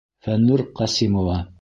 Фәннүр Ҡасимова.